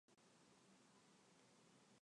加强交通工程建设